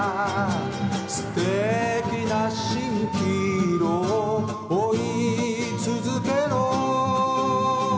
「すてきな蜃気楼を追い続けろ」